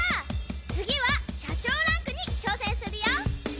次は社長ランクに挑戦するよ。